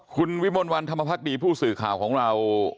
คุณวิมลวันธรรมพักดีผู้สื่อข่าวของเรา